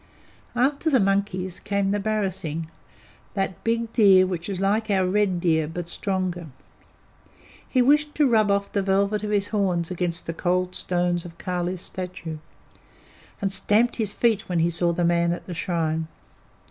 After the monkeys came the barasingh, that big deer which is like our red deer, but stronger. He wished to rub off the velvet of his horns against the cold stones of Kali's statue, and stamped his feet when he saw the man at the shrine.